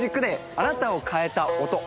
あなたを変えた音』。